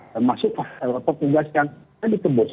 termasuk pekerjaan yang tadi kebos